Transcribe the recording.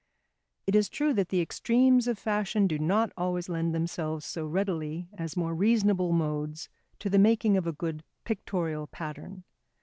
It is true that the extremes of fashion do not always lend themselves so readily as more reasonable modes to the making of a good pictorial pattern.